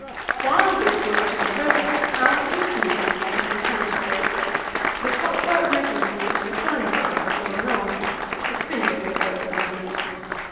While this work was in progress, our instrument maker had his hands full; the clockwork mechanism of the thermograph had gone wrong: the spindle was broken, I believe.